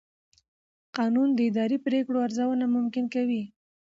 قانون د اداري پرېکړو ارزونه ممکن کوي.